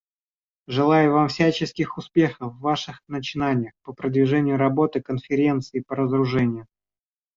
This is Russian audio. Желаю вам всяческих успехов в ваших начинаниях по продвижению работы Конференции по разоружению.